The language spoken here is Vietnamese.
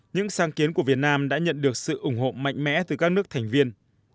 những sáng kiến của việt nam đã nhận được sự ủng hộ mạnh mẽ từ các nước thành viên